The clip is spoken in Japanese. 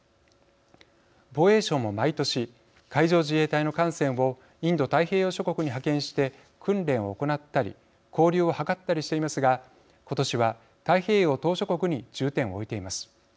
防衛省も、毎年海上自衛隊の艦船をインド太平洋諸国に派遣して訓練を行ったり交流を図ったりしていますが今年は太平洋島しょ国に重点を置いています。